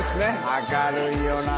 明るいよな。